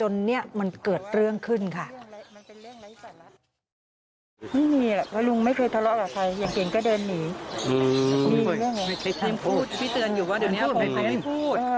พี่เตือนอยู่ว่าเดี๋ยวนี้พ่อไม่พูด